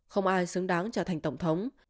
không ai xứng đáng trở thành tổng thống